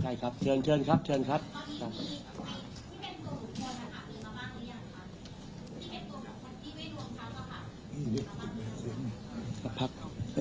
ใช่ครับเชิญเชิญครับเชิญครับ